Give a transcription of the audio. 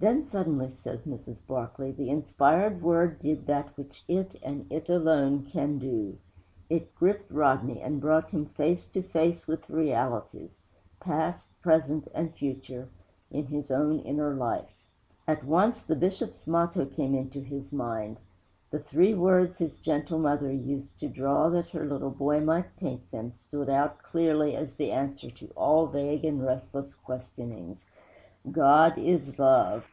'Then, suddenly,' says Mrs. Barclay, 'the inspired Word did that which It and It alone can do. It gripped Rodney and brought him face to face with realities past, present and future in his own inner life. At once, the Bishop's motto came into his mind; the three words his gentle mother used to draw that her little boy might paint them stood out clearly as the answer to all vague and restless questionings: GOD IS LOVE!'